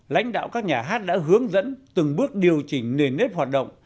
lãnh đạo các nhà hát đã hướng dẫn từng bước điều chỉnh nền nếp hoạt động